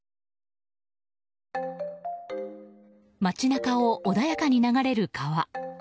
街中を穏やかに流れる川。